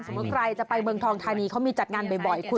ใครจะไปเมืองทองธานีเขามีจัดงานบ่อยคุณ